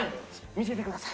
見せてください。